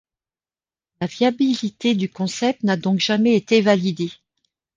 La viabilité du concept n'a donc jamais été validé.